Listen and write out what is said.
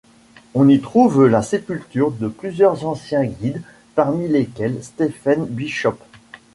On y trouve la sépulture de plusieurs anciens guides, parmi lesquels Stephen Bishop.